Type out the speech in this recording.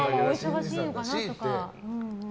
お忙しいのかなとか。